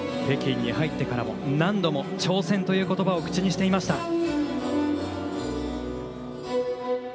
北京に入ってからも何度も挑戦という言葉を口にしていました。